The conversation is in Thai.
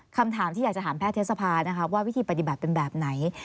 คำถามที่จะถามแพทย์เทศภาวิธีปฏิบัติเป็นแบบไหน